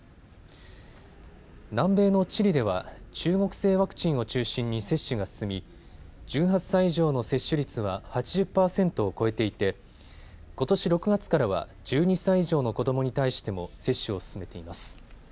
南米のチリでは中国製ワクチンを中心に接種が進み１８歳以上の接種率は８０％を超えていてことし６月からは１２歳以上の子どもに対しても接種を進めています。